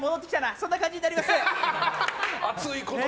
そんな感じになります。